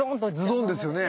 ズドーンですね。